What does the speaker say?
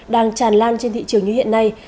đang tràn lan trên thị trường như hiện nay